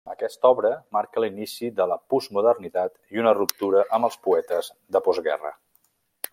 Aquesta obra marca l'inici de la postmodernitat i una ruptura amb els poetes de postguerra.